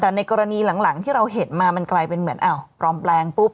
แต่ในกรณีหลังที่เราเห็นมามันกลายเป็นเหมือนปลอมแปลงปุ๊บ